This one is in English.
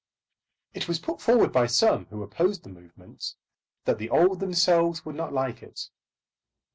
It was put forward by some who opposed the movement, that the old themselves would not like it.